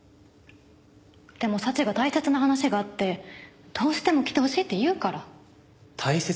でも早智が大切な話があってどうしても来てほしいって言うから。